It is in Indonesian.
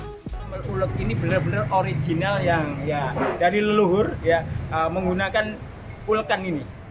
sambal uleg ini benar benar original yang dari leluhur menggunakan ulekan ini